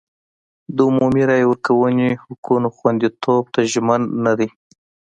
د عمومي رایې ورکونې حقونو خوندیتوب ته ژمن نه دی.